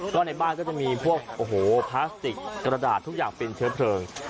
ก็ในบ้านก็จะมีพวกโอ้โหพลาสติกกระดาษทุกอย่างเป็นเชื้อเพลิง